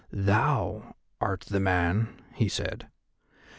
"Thou art the man," he said.